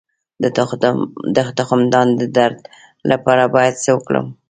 د تخمدان د درد لپاره باید څه وکړم؟